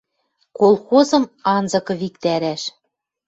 Колхозым анзыкы виктӓрӓш